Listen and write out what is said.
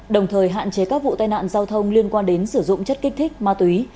đồng thời hạn chế các vụ tai nạn giao thông liên quan đến sử dụng chất kích thích ma túy